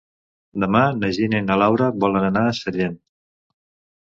Demà na Gina i na Laura volen anar a Sellent.